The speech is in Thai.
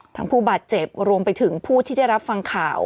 ผู้บาดเจ็บรวมไปถึงผู้ที่ได้รับฟังข่าว